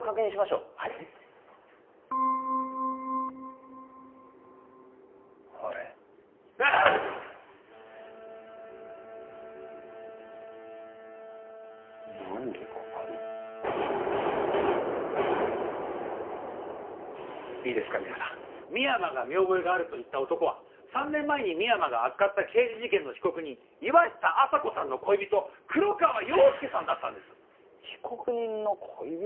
うわあッ何でここにいいですか皆さん深山が見覚えがあると言った男は３年前に深山が扱った刑事事件の被告人岩下亜沙子さんの恋人黒川陽介さんだったんです被告人の恋人？